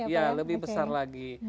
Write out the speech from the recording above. ya lebih besar lagi